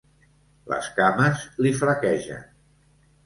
Les cames li flaquegen.